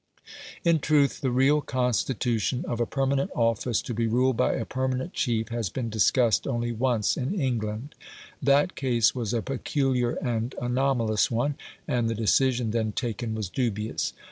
In truth the real constitution of a permanent office to be ruled by a permanent chief has been discussed only once in England: that case was a peculiar and anomalous one, and the decision then taken was dubious.